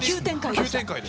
急展開で。